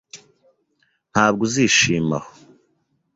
Ntabwo uzishima aho.